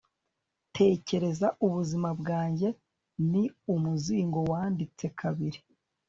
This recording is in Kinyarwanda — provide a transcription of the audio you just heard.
tekereza ubuzima bwanjye ni umuzingo wanditse kabiri